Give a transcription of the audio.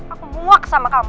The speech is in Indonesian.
aku muak sama kamu